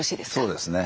そうですね。